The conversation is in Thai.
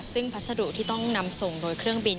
ซึ่งพัสดุที่ต้องนำส่งโดยเครื่องบิน